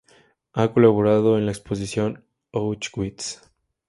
Ha colaborado en la exposición 'Auschwitz.